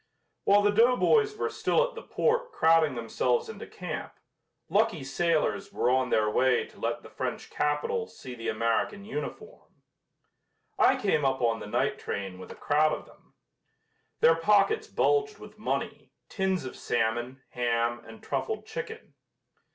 While the doughboys were still at the port crowding themselves into camp, lucky sailors were on their way to let the French capital see the American uniform. I came up on the night train with a crowd of them. Their pockets bulged with money, tins of salmon, ham and truffled chicken.